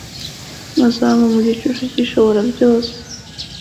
azahama mu gicucu cy’ishoborabyose.